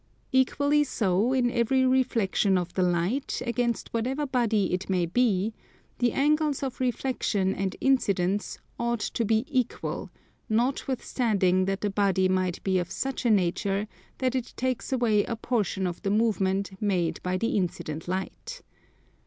Equally so in every reflexion of the light, against whatever body it may be, the angles of reflexion and incidence ought to be equal notwithstanding that the body might be of such a nature that it takes away a portion of the movement made by the incident light.